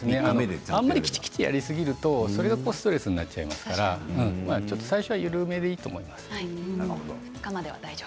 あまりきちきちやりすぎるとそれがストレスになってしまいますので最初は緩めでいいと思います。